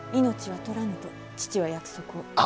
命は取らぬと父は約束を。